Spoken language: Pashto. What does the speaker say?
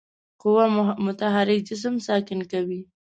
قوه متحرک جسم ساکن کوي.